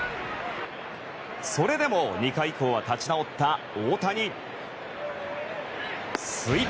それでも２回以降は立ち直った大谷。